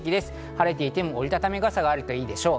晴れていても折り畳み傘があるといいでしょう。